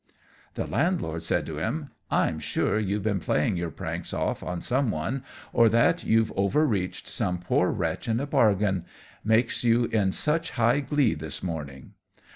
The Landlord said to him, "I'm sure you've been playing your pranks off on some one, or that you've overreached some poor wretch in a bargain, makes you in such high glee this morning."